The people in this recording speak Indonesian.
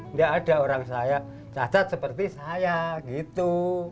nggak ada orang saya cacat seperti saya gitu